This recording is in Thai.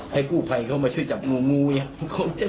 ให้กู้ภัยเข้ามาช่วยจับงูงูไง